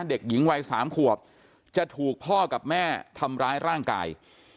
เด็กหญิงวัย๓ขวบจะถูกพ่อกับแม่ทำร้ายร่างกาย